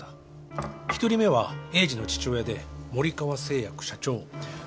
１人目は栄治の父親で森川製薬社長森川金治